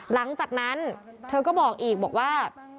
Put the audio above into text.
หลังจากนั้นเธอก็บอกอีกบอกว่า